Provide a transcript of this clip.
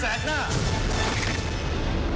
ช่วงวิทย์ตีแสดงหน้า